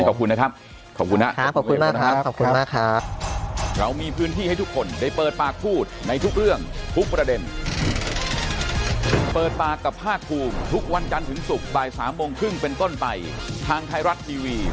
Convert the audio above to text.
โอเคครับผมขอบคุณนะครับขอบคุณนะครับทุกคนนะครับขอบคุณมากครับ